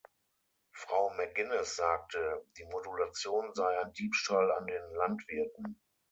Frau McGuinness sagte, die Modulation sei ein Diebstahl an den Landwirten.